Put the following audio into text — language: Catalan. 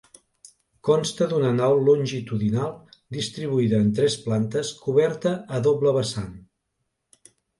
Consta d'una nau longitudinal distribuïda en tres plantes, coberta a doble vessant.